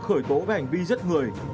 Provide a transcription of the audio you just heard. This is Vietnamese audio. khởi tố về hành vi giết người